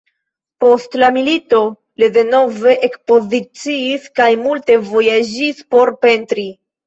Post la milito le denove ekspoziciis kaj multe vojaĝis por pentri.